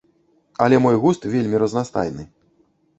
Але мой густ вельмі разнастайны.